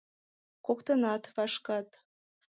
Коктынат вашкат.